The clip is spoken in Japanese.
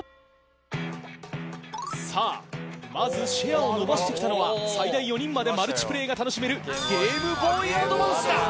まずシェアを伸ばして来たのは最大４人までマルチプレーが楽しめるゲームボーイアドバンスだ。